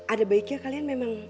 ada baiknya kalian memang